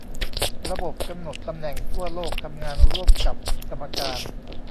ระบบกำหนดตำแหน่งทั่วโลกทำงานร่วมกับสมการ